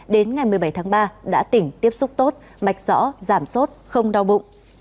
đến ngày một mươi bảy tháng ba đã tỉnh tiếp xúc tốt mạch rõ giảm sốt không đau bụng